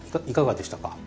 いかがでしたか？